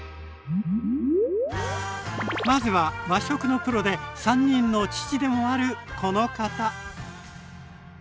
まずは和食のプロで３人の父でもあるこの方！